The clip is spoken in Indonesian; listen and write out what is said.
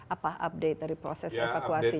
apa update dari proses evakuasi